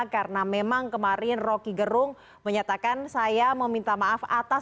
karena memang kemarin rocky gerung menyatakan saya meminta maaf atas kebenaran